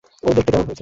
ও দেখতে কেমন হয়েছে?